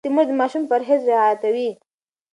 لوستې مور د ماشوم پرهېز رعایتوي.